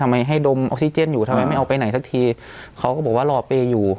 ให้ดมออกซิเจนอยู่ทำไมไม่เอาไปไหนสักทีเขาก็บอกว่ารอเปย์อยู่